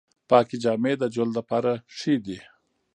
پاکې جامې د جلد لپاره ښې دي۔